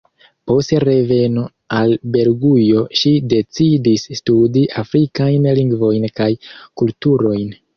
Post reveno al Belgujo si decidis studi afrikajn lingvojn kaj kulturojn.